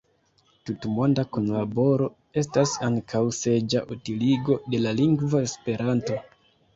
Tutmonda kunlaboro estas ankaŭ saĝa utiligo de la lingvo Esperanto.